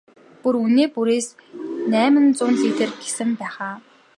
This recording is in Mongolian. Бүр үнээ бүрээсээ найман зуун литр гэсэн байх аа?